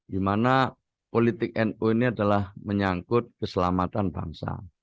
dimana politik nu ini adalah menyangkut keselamatan bangsa